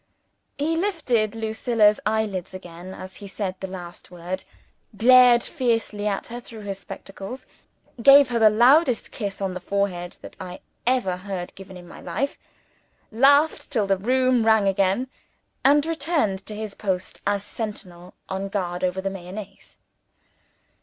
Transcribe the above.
He lifted Lucilla's eyelids again as he said the last word glared fiercely at her through his spectacles gave her the loudest kiss, on the forehead, that I ever heard given in my life laughed till the room rang again and returned to his post as sentinel on guard over the Mayonnaise.